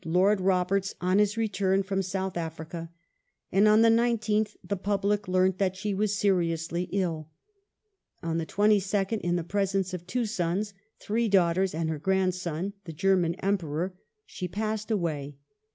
538 DEMOCRACY AND EMPIRE [1885 Roberts on his return from South Africa, and on the 19th the public learnt that she was seriously ill. On the 22nd, in the presence of two sons, three daughtei s, and her grandson, the German Emperor, she passed away.